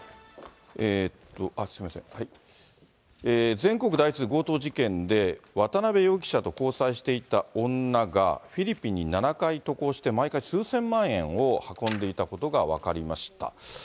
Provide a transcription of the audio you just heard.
全国で相次ぐ強盗事件で、渡辺容疑者と交際していた女がフィリピンに７回渡航して、毎回、数千万円を運んでいたことが分かりました。